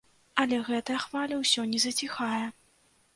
Але гэтая хваля ўсё не заціхае.